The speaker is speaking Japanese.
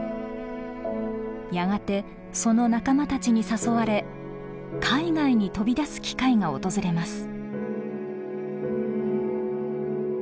やがてその仲間たちに誘われ海外に飛び出す機会が訪れます。